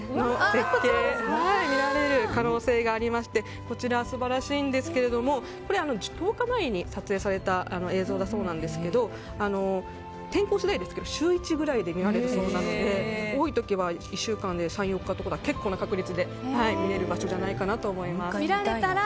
絶景が見られる可能性がありましてこちら素晴らしいんですけれども１０日前に撮影された映像だそうですが天候次第ですけど週１くらいで見られるそうなので多い時は１週間で３４日という結構な確率で見れる場所じゃないかと思います。